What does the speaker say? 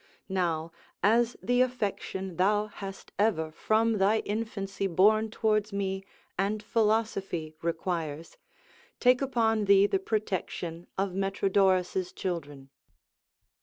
Now, as the affection thou hast ever from thy infancy borne towards me and philosophy requires, take upon thee the protection of Metrodorus' children."